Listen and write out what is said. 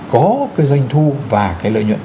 có cái doanh thu và cái lợi nhuận